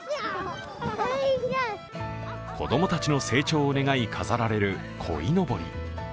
子供たちの成長を願い飾られるこいのぼり。